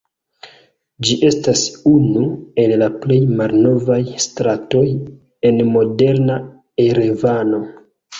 Ĝi estas unu el la plej malnovaj stratoj en moderna Erevano.